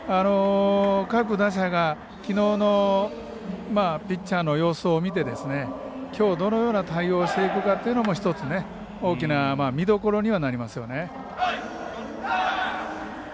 各打者が、きのうのピッチャーの様子を見てきょう、どのような対応をしていくかというのも大きなみどころにはなりますよね。